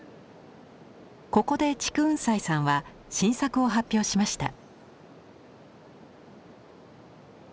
ここで竹雲斎さんは新作を発表しました。